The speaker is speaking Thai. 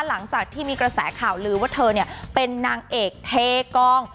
หลังจากที่มีกระแสข่าวลือว่าเธอเป็นนางเอกเทกอง